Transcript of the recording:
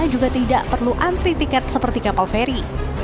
juga tidak perlu antri tiket seperti kapal feri